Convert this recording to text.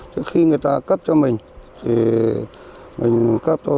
chứ khi người ta cấp cho mình thì mình cấp thôi